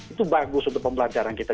itu bagus untuk pembelajaran kita